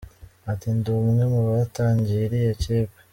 Ati “Ndi umwe mu batangiye iriya kipe.